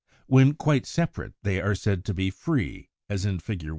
When quite separate they are said to be free, as in Fig.